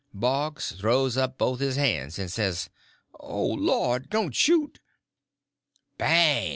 Boggs throws up both of his hands and says, "O Lord, don't shoot!" Bang!